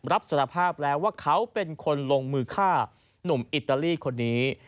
รับสารภาพแล้วว่าเขาเป็นคนลงมือฆ่าหนุ่มอิตาลีคนนี้